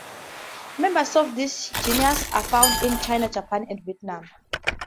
Members of this genus are found in China, Japan, and Vietnam.